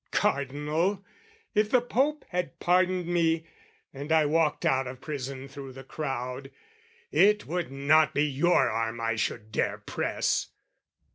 Cardinal, if the Pope had pardoned me, And I walked out of prison through the crowd, It would not be your arm I should dare press!